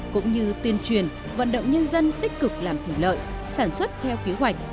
cũng như tuyên truyền vận động nhân dân tích cực làm thủy lợi sản xuất theo kế hoạch